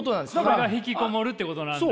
それが引きこもるってことなんだ？